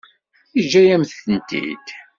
Yeǧǧa-yam-tent-id.